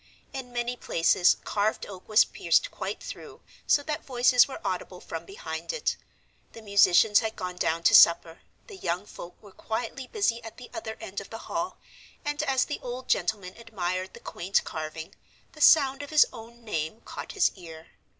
In many places carved oak was pierced quite through, so that voices were audible from behind it. The musicians had gone down to supper, the young folk were quietly busy at the other end of the hall, and as the old gentleman admired the quaint carving, the sound of his own name caught his ear.